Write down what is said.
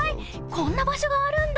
こんな場所があるんだ！